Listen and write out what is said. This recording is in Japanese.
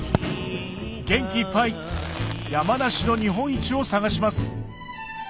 元気いっぱい山梨の日本一を探します